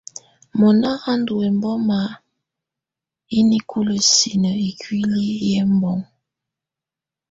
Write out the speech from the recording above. Mɔna á ndù ɛmbɔma yǝ nikulǝ sinǝ ikuili yɛ ɛbɔŋɔ.